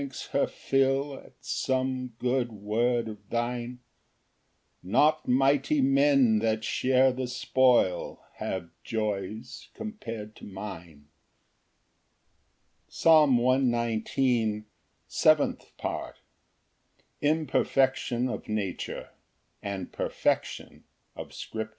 4 And when my spirit drinks her fill At some good word of thine, Not mighty men that share the spoil Have joys compar'd to mine. Psalm 119:07. Seventh Part. Imperfection of nature, and perfection of scripture.